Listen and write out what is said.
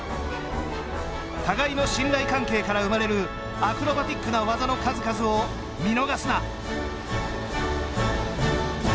互いの信頼関係から生まれるアクロバティックな技の数々を見逃すな。